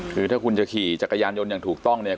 คือถ้าคุณจะขี่จักรยานยนต์อย่างถูกต้องเนี่ย